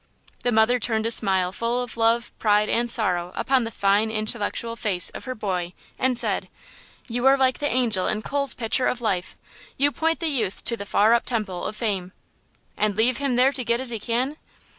The mother turned a smile full of love, pride and sorrow upon the fine, intellectual face of her boy, and said: "You are like the angel in Cole's picture of life! You point the youth to the far up temple of fame–" "And leave him to get there as he can?